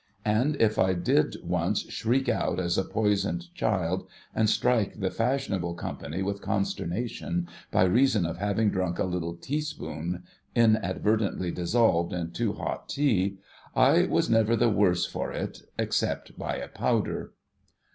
And if I did once shriek out, as a poisoned child, and strike the fashionable company with consternation, by reason of having drunk a little teaspoon, inadvertently dissolved in too hot tea, I was never the worse for it, except by a powder